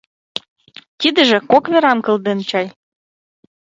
Тидыже кок верам кылден чай.